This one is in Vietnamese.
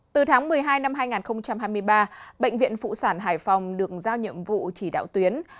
từ tháng một mươi hai năm hai nghìn hai mươi ba bệnh viện phụ sản hải phòng được giao nhiệm vụ chỉ đạo tuyến